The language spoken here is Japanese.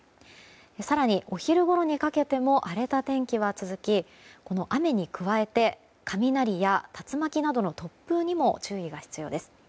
更にお昼ごろにかけても荒れた天気が続き雨に加えて雷や、竜巻などの突風にも注意が必要です。